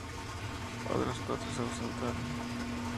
Otros cuatro se ausentaron.